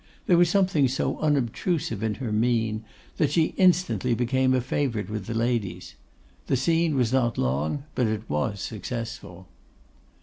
There was something so unobtrusive in her mien, that she instantly became a favourite with the ladies. The scene was not long, but it was successful.